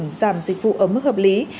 giảm dịch vụ ở mức hợp lý